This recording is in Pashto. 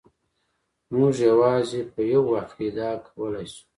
موږ یوازې په یو وخت کې ادعا کولای شو.